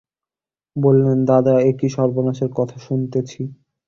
বলিলেন, দাদা, এ কী সর্বনাশের কথা শুনিতেছি?